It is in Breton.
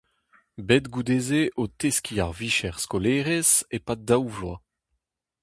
Bet goude-se o teskiñ ar vicher skolaerez, e-pad daou vloaz.